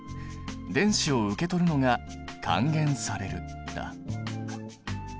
電子を受け取るのが還元されるだ。